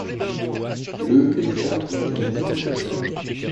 Le éclate la guerre de Corée.